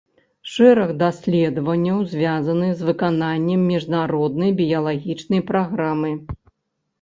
Шэраг даследаванняў звязаны з выкананнем міжнароднай біялагічнай праграмы.